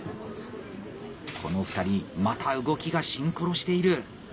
この２人また動きがシンクロしている！